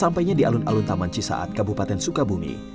sampainya di alun alun taman cisaat kabupaten sukabumi